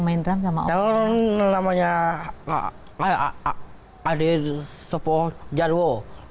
main drum sama namanya adil sopo jadwo